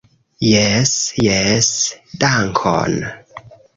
Jes, jes dankon